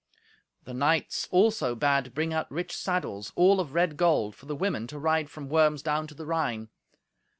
The knights also bade bring out rich saddles, all of red gold, for the women to ride from Worms down to the Rhine.